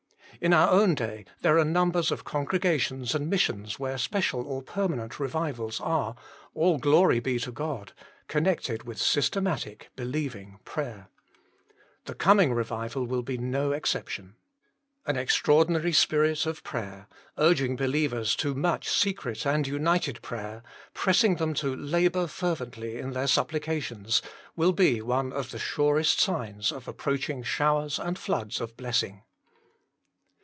In our own day there are numbers of congregations and missions where special or permanent revivals are all glory be to God connected with systematic, believing prayer. The coming revival will be no exception. An extraordinary spirit of prayer, urging believers to much secret and united prayer, pressing them to " labour fervently " in their supplications, will be THE COMING REVIVAL 185 one of the surest signs of approaching showers and floods of blessing.